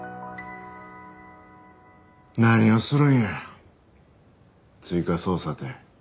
何をするんや追加捜査て。